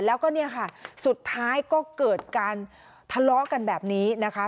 แล้วก็เนี่ยค่ะสุดท้ายก็เกิดการทะเลาะกันแบบนี้นะคะ